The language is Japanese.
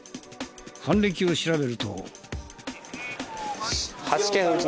犯歴を調べると。